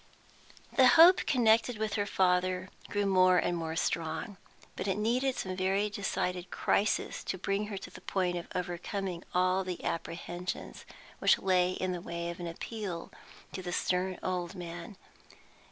The hope connected with her father grew more and more strong. But it needed some very decided crisis to bring her to the point of overcoming all the apprehensions which lay in the way of an appeal to the stern old man.